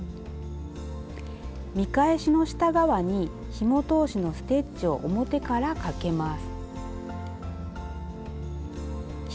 見返しの下側にひも通しのステッチを表からかけます。